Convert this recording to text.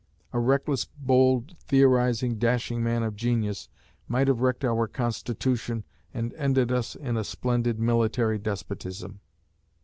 A reckless, bold, theorizing, dashing man of genius might have wrecked our Constitution and ended us in a splendid military despotism."